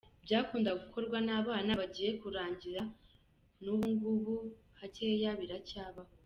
Byakundaga gukorwa n’abana bagiye kuragira, n’ubungubu hakeya biracyabaho.